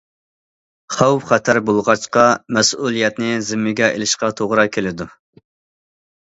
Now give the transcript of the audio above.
خەۋپ- خەتەر بولغاچقا، مەسئۇلىيەتنى زىممىگە ئېلىشقا توغرا كېلىدۇ.